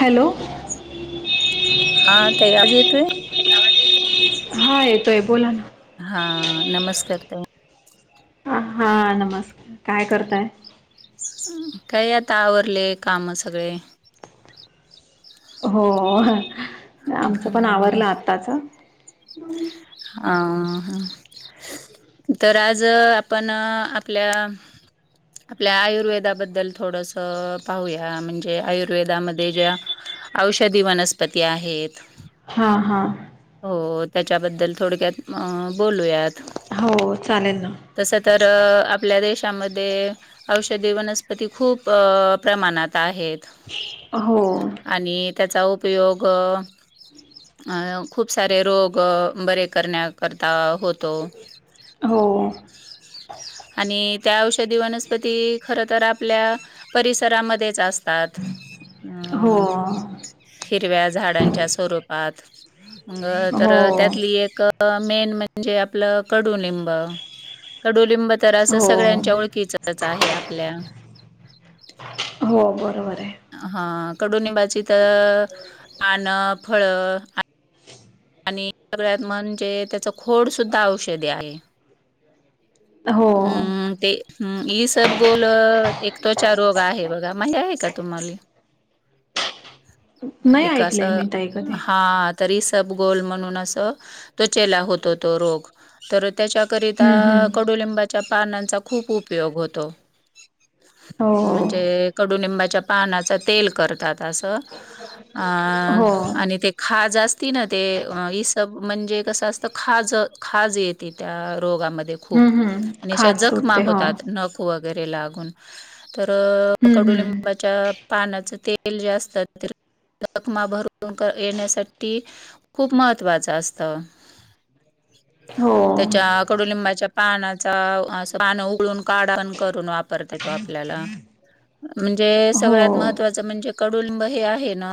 Hello! हा ते आज येतोय? हा येतोय बोला हा नमस्कार ता हा नमस्कार, काय करताय? ताई काय आता आवरले काम सगळे. हो आमच पण आवरल हा आताच. अ ह तर आज आपण आपल्या आपल्या आयुर्वेदाबद्दल थोडस पाहूया म्हणजे आयुर्वेदामध्ये ज्या औषधी वनस्पती आहेत. हा हा हो त्याच्याबद्दल थोडक्यात अ बोलू यात हो चालेल ना तस तर आपल्या दे, त्यामध्ये औषधी वनस्पती खूप प्रमाणात आहेत. हो आणि त्याचा उपयोग, [unintelligible] खूप सारे रोग बरे करण्याकरता, होतो हो आणि त्या औषधी वनस्पती खर तर आपल्या परिसरामध्येच असत. हो हिरव्या झाडांच्या स्वरूपात. म तर हो त्यातली एक, मेन म्हणजे आपलं कडुलिंब कडुलिंब, तर असं हो सगळ्यांच्या ओळखीचच आहे. आपल्या, हो बरोबर आहे हा कडुनिंबाची तर पान फळ, आणि सगळ्यात म्हणजे त्याच खोड सुद्धा औषधे आहे. हो हम्म ते ह सब गोल एक त्वचा रोग आहे. बघा माझे आहे. का, तुम्हाला नाही एकं ऐकलंय असं मी ताई कधी हात, तरी सब गोल म्हणून अस तोचेला होतो तो रोग तर, त्याच्याकरिता हम्म हम्म कडुलिंबाच्या पानांचा खूप उपयोग होतो. हो म्हणजे कडुनिंबाच्या पानाचा तेल करतात. त अ हो आणि ते खाज असती. ना, ते इ सब म्हणजे कसं असतं खाज खाज येते. त्या, रोगामध्ये खूप हम्म हम्म अशा खाज जखमा सुटते हो होतात. नकवक, घरी लागून तर हम्म हम्म कडूलिबाचा तेल, असतात जखमा भरू येण्यासाठी, खूप महत्त्वाच असत, हो त्याच्या कडुलिंबाच्या, पानाचा अस पान उळून, काढ करून वापरत तो, आपल्याला म्हणजे सगळ्यात हो महत्त्वाचं म्हणजे, कडुलिंब हे आहे ना,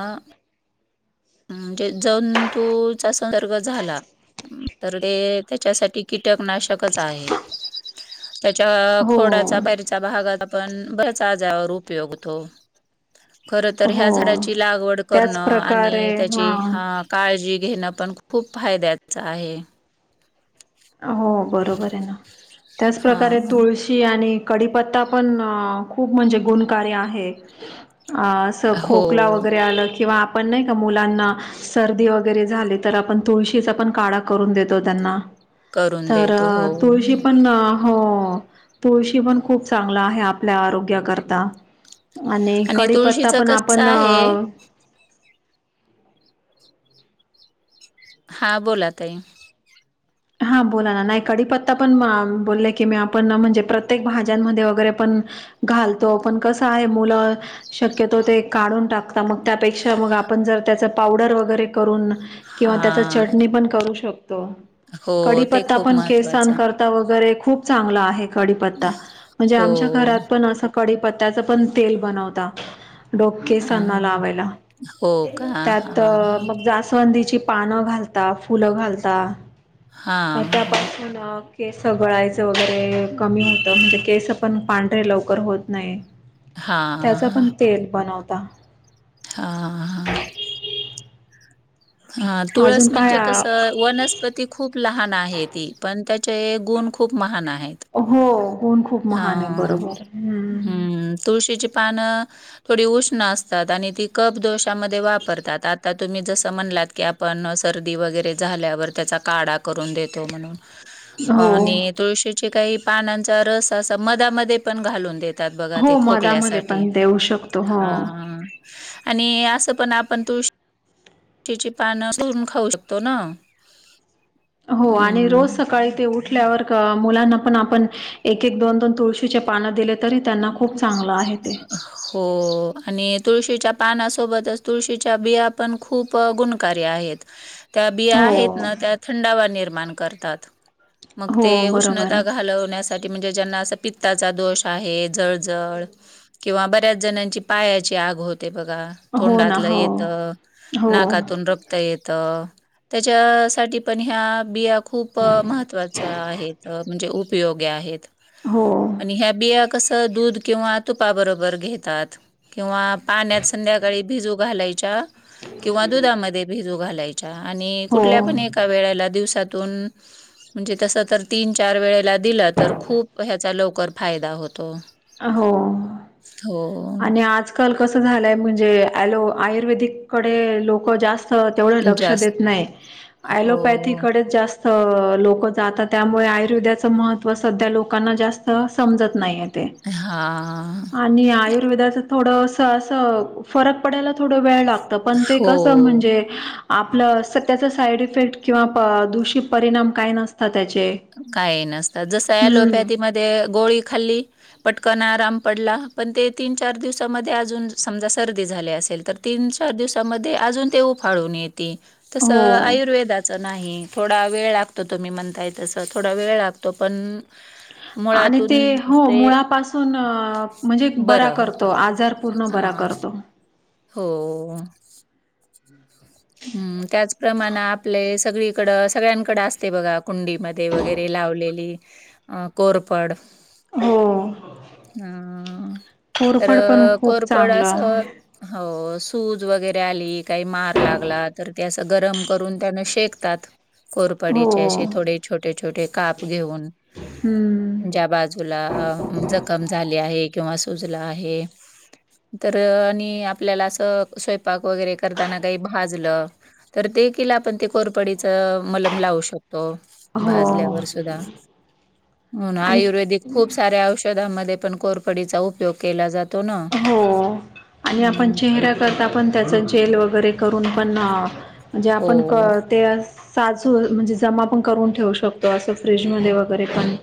म्हणजे जऊन तुचा संसर्ग झाला, तर ते त्याच्यासाठी कीटकनाशक, तच आहे, तेच्या खोडाचा हो [unintelligible] भागात पण बऱ्यांचं आजावर उपयोग हुतो. खर तर ह्या हो झाडाची लागवड त्याच करणं प्रकारे आणि ची हा काळजी घेणं पण खूप फायद्याच आहे. हो बरोबर आहे ना त्याचं हा प्रकारे तुळशी आणि कडीपत्ता पण अं खूप म्हणजे गुणकार्य आहे. आसं खोकला हो वगरे आलं किंवा आप ण नाइ का मुलांना सर्दी वगरे झाली तर आपण तुळशीचा पण काढा करून देतो त्यांना करून तर देतो हो अं तुळशी पण हो हो तुळशी पण खूप चांगला आहे, आपल्या आरोग्याकरता आणि कडीपत्ता तुळशीच पण कसं आहे आपणं हा बोला ताई हा बोला ना नाइ कडीपत्ता पण म बोले की मी आपण म्हणजे प्रत्येक भाज्यांमध्ये वगरे पण घालतो पण कसं हाय [unintelligible] मुलं शक्यतो ते काढून टाकता म त्यापेक्षा म आपण जर तेचं पावडर वगरे करून किंवा तेचं हा चटणी पण करू शकतो. हो ते कडीपत्ता खूप पण केसन महत्वाचं करता वगरे खूप चांगला आहे कडीपत्ता म्हणजे हो आमच्या घरात पण असं कडीपत्त्याचं पण तेल बनवता डोके अ, सना लावायला हो का त्यात हां मग जास्वंदीची पानं घालता फुलं घालता हां हां त्यापासून केस गळायचं वगरे कमी होतं म्हणजे केस पण पांढरे लवकर होत नाही. हां त्याचं पण तेल बनवता हा हा. हा तुळस अजून काय म्हणजे कसं वनस्पती खूप लहान आहे ती पण त्यात चे गुण खूप महान हाय. त हो ऊन खूप हा महान आहे बरोबर हम्म तुळशीची पान थोडी उष्ण असतात आणि ती कप दोषामध्ये वापरतात आता तुमी जसं त म्हणलात की आपण सर्दी वगरे झाल्यावर तेचा काढा करून देतो म्हणून हो आणि तुळशीची काही पानांचा रस असा मधामध्ये पण घालून दे त्यात बघा ते हो मधामध्ये खोकल्यासाठी पण देऊ शकतो हो हा हा. आणि असं पण आपण तूळ शी पानं [unintelligible] रून खाऊ शकतो ना. हो आणि रोज अं. सकाळी ते उठ [unintelligible] मुलांना पण आपण एक एक दोन दोन तुळशीचे पान दिलेत तरी त्यांना खूप चांगलं आहे ते. हो आणि तुळशीच्या पानासोबतचं तुळशीच्या बिया पण खूप गुणकारी आहेत. त्या बिया हो आहेत ना त्या थंडावा निर्माण करतात. मग हो ते बरोबर उष्णता घालवण्यासाठी म्हणजे ज्यांना असं पित्ताचा दोष आहे. जळजळ किंवा बऱ्याचं जणांची पायाची आग हो ते बघा हो ना तोंडातलं हो येत हो नाकातून रक्त येत. त्याच्यासाठी पण ह्या बिया खूप महत्वाच्या आहेत म्हणजे उप पयोग आहेत हो आणि ह्या बिया कसं दूध किंवा तुपाबरोबर घेतात किंवा पाण्यात संध्याकाळी भिजू घालायच्या किंवा दुधामध्ये भिजू घालाय आ आणि कुठल्या हो पण एका वेळेला दिवसातून म्हणजे तसं तर तीन चार वेळेला दिलं तर खूप हेचा लवकर फायदा होतो. हो हो. आणि आजकाल कसं झालंय म्हणजे ऍलो आयुर्वेदिक कडे लोक जास्त अं तेवढं लक्ष जास्त देत नाइ हो. अलोपथीकडे जास्त हो लोक जातात त्यामुळे आयुर्वेदयाचं महत्त्व सध्या लोकांना जास्त समजत नायात. हा [inaudible] आयुर्वेदाचं थोडं अस-अस फरक पडायला थोडं वेळ लागत पण ते कसं हो. म्हणजे आपलं सत्याच साईड इफेक्ट किंवा दूषित परिणाम काय नसतात त्याचे. काही नसतात जस हम्म अलोपॅथी मधयेगोळी खाल्ली पट कण आराम पडला पण ते तीन -चार दिवसामध्ये अजून समजा सर्दी झाले असेल तर तीन चार दिवसांमध्ये अजून ते उफाळून येत येते, तस हो आयुर्वेदाच नाही थोडा वेळ लागतो तुम्ही म्हणताय त व थोडा वेळ लागतो पण आणि ते मुळातून हो ते मुळापासून -म्हणजे बरा बरं होतं करतो आजार पूर्ण बरा हा करतो. हो हमम त्याचप्रमाण आपले सगळीकड सगळ्यांकडे असते बघा कुंडीमध्ये वगैरे लावलेली अ कोरफड हो. आ... तर कोरफड पण खूप कोरपड चांगलं असं आहे. हो सूज वगैरे आली काही मार लागला तर ते असं गरम करून त्यान शेकतात कोरपडीचे हो असे थोडे छोटे -छोटे काप घेऊन हम्म ज्या बाजूला जखम झाली आहे किंवा सुजला आहे तर आणि आपल्याला असं स्वयंपाक वगैरे करताना काही भाजलं तर ते किला आपण ते कोरपडीच मलम लावू शकतो तो हो भाजल्यावर सुद्धा म्हणून, आणि आयुर्वेदिक खूप साऱ्या औषधामध्ये पण कोरपडीचा उपयोग केला जातो. ना. हो आणि आपण हं. चेहऱ्या करता पण त्याचं जेल वगैरे करून पण-हा- म्हणजे आपण हो, ते अस साजू- म्हणजे जमा पण करून ठेवू शकतो असं फ्रीजमध्ये वगैरे पण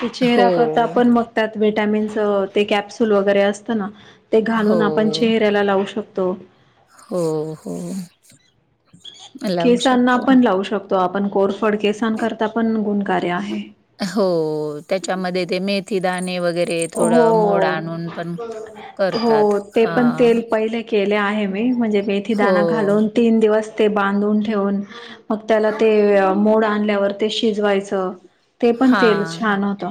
ते [inaudible] हो, चेहरा करता आपण बघतात वि्हटॅमिन्स ते कॅप्सुल वगैरे असतं ना ते हो, घालून आपण चेहऱ्याला लावू शकतो हो- हो लावू केसांना शकतो. पण लावू शकतो आपण कोर् फड केसां करता पण गुणकारी आहे हो, त्याच्यामध्ये ते मेथी दाणे वगैरे वगैरे थोडं मोड हो. आणून पण करतात हो ते हा पण तेल पहिले केले आहे म्हणजे मेथी दाना घालून तीन दिवस ते बांधून ठेवून म त्याला मोड आणल्या शिजवायच ते पण तेल छान होत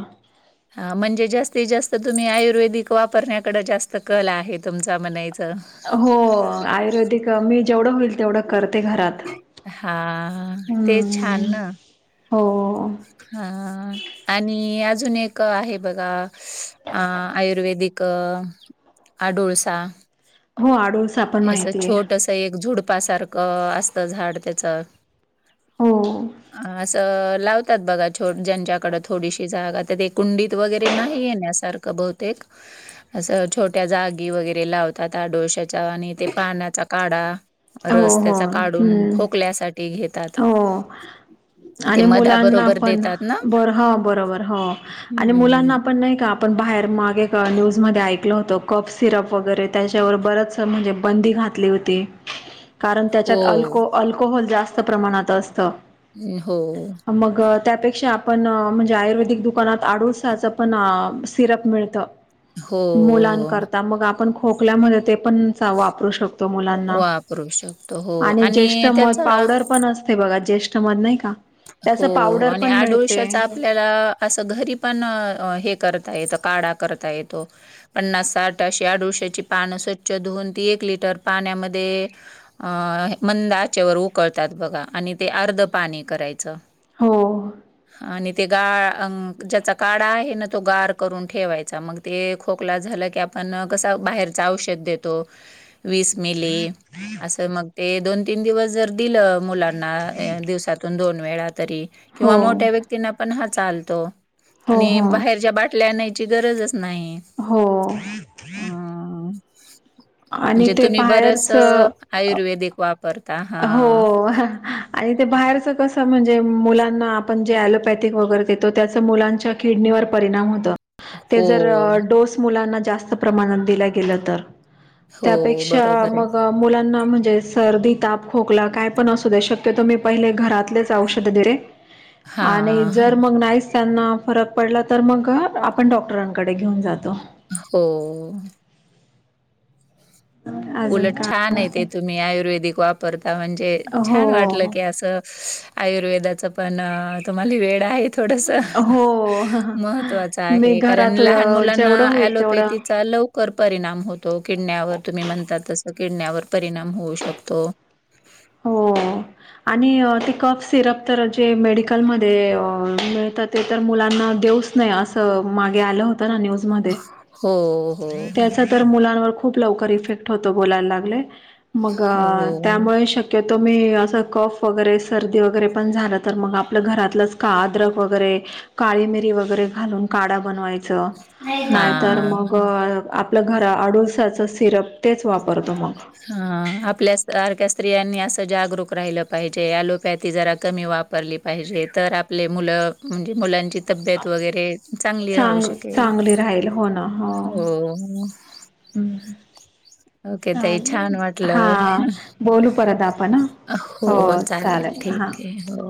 हा म्हणजे जास्तीत जास्त तुम्ही आयुर्वेदिक वापरण्याकडे जास्त कल आहे तुमचा म्हना हो आयुर्वेदिक मी जेवढं होईल तेवढं करते घरात. हा ते छान हम्म ना हो हा आणि अजून एक आहे बघा अ आयुर्वेदिक आडूळसा हो अडुळसा असं छोटं एक झुडपासारखं असत झाड त्याच हो तर लावतात बघा छो- ज्यांच्याकड थोडीशी जागा तर ते कुंडीत वगैरे नाही येण्यासारखं बहुतेक असं छोट्या जागी वगैरे लावतात अडुळश्या आणि ते पाण्याचा काढा हो रस हो त्याचा काढून हम्म खोकल्यासाठी घेतात हो ते आणि मुलांना मधाबरोबर पण देतात ना बर हो बरोबर हो आणि हम्म मुलांना आपण नाही का आपण बाहेर मागे एका न्यूज मध्ये ऐकल होतो कप सिरप वगैरे त्याच्यावर बरच म्हणजे बंदी घा घातले होते कारण हो. त्याच्यात अल्को- अल्कोहोल जास्त प्रमाणात असतं हो मग त्यापेक्षा आपण म्हणजे आयुर्वेदिक दुकानात आडूळसाचं पण सिरप मिळतं हो मुलांनकरता मग आपण खोकल्यामध्ये ते पण वापरू शकतो हो मुलांना वापरू शकतो हो आणि ज्येष्ठ मध त्याचा पावडर पण असते बघा ज्येष्ठ मध नाही का त्याचं हो पावडर आणि पण अडुळश्याच मिळते आपल्याला असं घरी पण हे करता येत काडा करता येतो पन्नास साठ आदुळशाची पान स्वच्छ धुउन ती लिटर पाण्यामध्ये मंद आचेवर उकळतात बघा अर्ध पा करायच हो ते गाळ ज्याचा काडा आहे ना तो गार करून ठेवायचा मग ते खोकला झालं की आपन ते पण कसा बाहेरचा औषध देतो वीस मिली असं मग ते दोन तीन दिवस जर दिलं मुलांना दिवसातून दोन वेळा तरी हो किंवा मोठ्या व्यक्तींना पण हा चालतो. हो आणि हो बाहेरच्या बाटल्या आणायची गरज नाहीय हो ह आणि म्हणजे ते तुम्ही बरस बाहेरच आयुर्वेदिक वापर हो आणि ते बाहेरच कस म्हणजे जे मुलांना आपण जे एलोपॅथिक वगैरे देतो त्याच मुलांच्या किडनीवर परिणाम होतं ते हो, जर डोस मुलांना जास्त प्रमाणात दिलं गेलं तर हो. त्यापेक्षा बरोबर आहे. मग मुलांना म्हणजे सर्दी ताप खोकला काय पण असू दे शक्यतो मी पहिले घरातलेच औषध देते आणि हां, जर हां. मग नाही त्यांना फरक पडला तर मग आपण डॉक्टरांकडे घेऊन जातो. हो. अजून उलट का छान ये ते तुम्ही आयुर्वेदिक वापरता. ता म्हणजे हो छान वाटलं की असं आयुर्वेदाचं पण तुम्हाला वेड आहे. थोडस हो महत्त्वाचं मी आहे कारण घरात लहान मुलांना जेवढं होईल तेवढं अलोपॅथीचा लवकर कर परिणाम होतो किडण्यावर तुम्ही म्हन तस किडण्यावर परिणाम होऊ शकतो. हो आणि ते कप सिरप तर जे मेडिकलमध्ये अ मिळल ते तर मुलांना. च नाही अस मागे आलं होत ना न्यूज मध्ये हो, हो, हो. त्याच तर मुलांवर खूप लवकर इफेक्ट होतो बोलायला लागले. मग हो. त्यामुळे शक्यतो मी असं कफ वगैरे सर्दी वगैरे पण झालं तर मग आपलं घरातलंच का अद्रक वगैरे काळी मिरी वगैरे घालून काढा बनवायचं नाहीतर मग हां. आपल्या घरा आडुळसाचं सिरप तेच वापरतो मग. ह आपल्या सारख्या स्त्रियांनी असं जागरूक राहिलं पाहिजे अँलोपॅथी जरा कमी वा रली पाहिजे तर आपली मूल म्हणजे मुलांची तब्येत वगैरे चांगली राहू चांग शकेल चांगली राहील हो हम् ओके ताई छान चाले हा वाटलं. बोलू परत आपण ह. हो चालेल ठीक आहे हो.